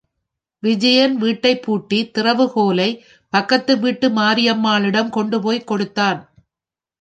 விஜயன் வீட்டைப் பூட்டி திறவு கோலை பக்கத்து வீட்டு மாரியம்மாளிடம் கொண்டுபோய் கொடுத்தான்.